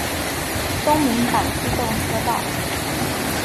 东名阪自动车道。